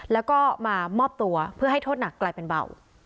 แล้วก็มามอบตัวเพื่อให้โทษหนักกลายเป็นเบา